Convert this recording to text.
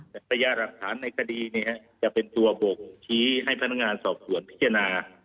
แต่พยายามหลักฐานในคดีจะเป็นตัวบ่งชี้ให้พนักงานสอบสวนพิจารณา